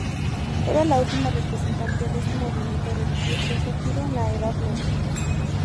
Era la última representante de este movimiento religioso surgido en la Edad Media.